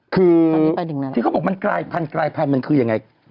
คือที่เขาบอกมันกลายพันธุ์มันคือยังไง